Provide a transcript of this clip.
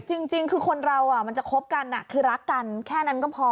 จริงคือคนเรามันจะคบกันคือรักกันแค่นั้นก็พอ